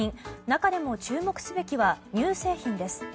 中でも注目すべきは乳製品です。